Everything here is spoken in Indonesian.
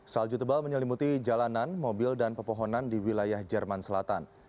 salju tebal menyelimuti jalanan mobil dan pepohonan di wilayah jerman selatan